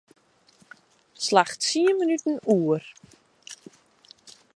Slach tsien minuten oer.